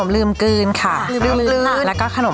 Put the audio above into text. อร่อยมาก